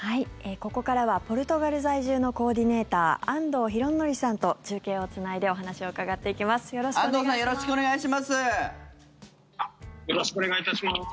ここからはポルトガル在住のコーディネーター安藤助徳さんと中継をつないでお話を伺っていきます。